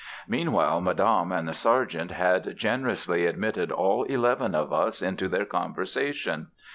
Meanwhile Madame and the Sergeant had generously admitted all eleven of us into their conversation.